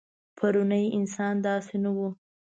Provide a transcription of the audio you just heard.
پروني انسان داسې نه و.